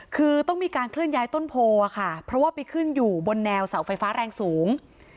คือต้องมีการเคลื่อนย้ายต้นโพค่ะเพราะว่าไปขึ้นอยู่บนแนวเสาไฟฟ้าแรงสูง